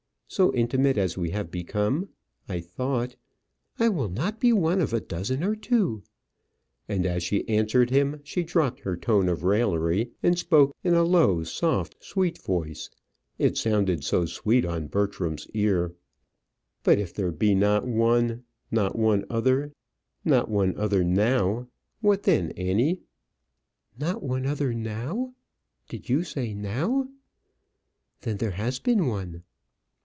So intimate as we have become, I thought " "I will not be one of a dozen or two." And as she answered him, she dropped her tone of raillery, and spoke in a low, soft, sweet voice. It sounded so sweet on Bertram's ear. "But if there be not one not one other; not one other now what then, Annie?" "Not one other now? Did you say now? Then there has been one."